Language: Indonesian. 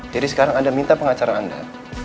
jadi sekarang anda minta pengacara anda